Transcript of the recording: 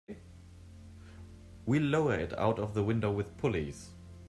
We'll lower it out of the window with pulleys.